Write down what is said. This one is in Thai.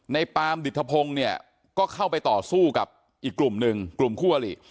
ปามดิตทพงศ์เนี่ยก็เข้าไปต่อสู้กับอีกกลุ่มหนึ่งกลุ่มคู่อลิ